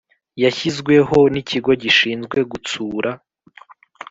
Yashyizweho n ikigo gishinzwe gutsura